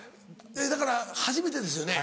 だから初めてですよね？